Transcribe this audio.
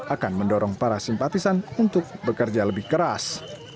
akan mendorong para simpatisan untuk bekerja lebih keras